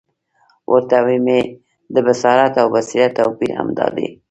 ورته ومي د بصارت او بصیرت توپیر همد دادی،